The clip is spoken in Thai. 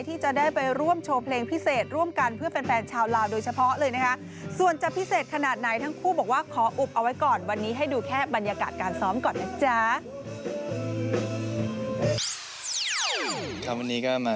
ที่จะได้ไปร่วมโชว์เพลงพิเศษร่วมกันเพื่อแฟนชาวลาวโดยเฉพาะเลยนะคะ